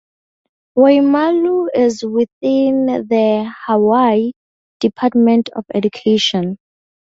Waimalu is within the Hawaii Department of Education.